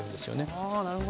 あなるほど。